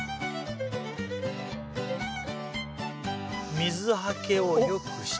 水はけを良くして。